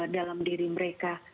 dalam diri mereka